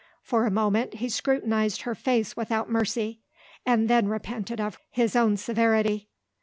For a moment, he scrutinised her face without mercy and then repented of his own severity.